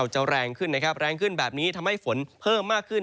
จะแรงขึ้นนะครับแรงขึ้นแบบนี้ทำให้ฝนเพิ่มมากขึ้น